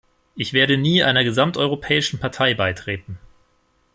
Ich werde nie einer gesamteuropäischen Partei beitreten.